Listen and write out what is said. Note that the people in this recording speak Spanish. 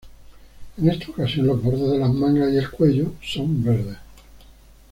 En esta ocasión los bordes de las mangas y el cuello son verdes.